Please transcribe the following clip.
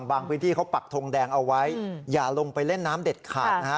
พื้นที่เขาปักทงแดงเอาไว้อย่าลงไปเล่นน้ำเด็ดขาดนะฮะ